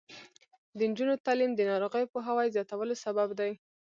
د نجونو تعلیم د ناروغیو پوهاوي زیاتولو سبب دی.